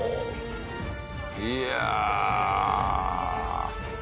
いや。